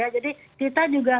jadi kita juga